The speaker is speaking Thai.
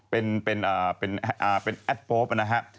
เป็นแอดโป๊ปนะครับ